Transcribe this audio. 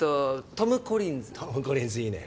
トムコリンズいいね。